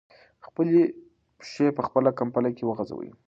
خپلې پښې په خپله کمپله کې وغځوئ.